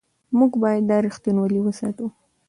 موږ باید دا رښتینولي وساتو.